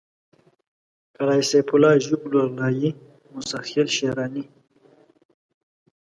قلعه سيف الله ژوب لورلايي موسی خېل شېراني